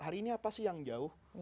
hari ini apa sih yang jauh